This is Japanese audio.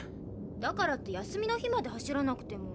だからって休みの日まで走らなくても。